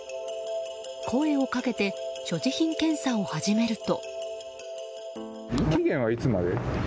声をかけて所持品検査を始めると。